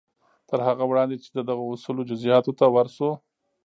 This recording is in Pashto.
تر هغه وړاندې چې د دغو اصولو جزياتو ته ورشو.